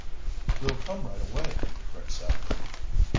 "We'll come right away," Rick said.